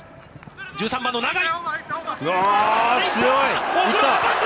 １３番の永井。